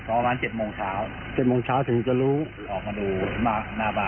ประมาณเจ็ดโมงเช้า